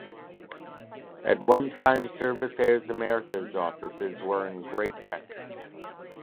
At one time Servisair's Americas offices were in Great Neck.